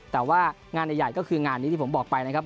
แต่ว่างานใหญ่ก็คืองานนี้ที่ผมบอกไปนะครับ